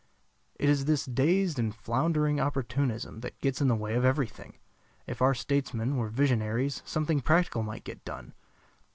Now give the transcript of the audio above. It is this dazed and floundering opportunism that gets in the way of everything. If our statesmen were visionaries something practical might be done.